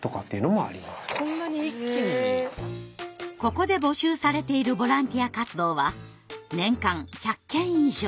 ここで募集されているボランティア活動は年間１００件以上。